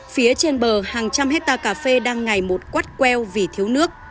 phía trên bờ hàng trăm hectare cà phê đang ngày một quát queo vì thiếu nước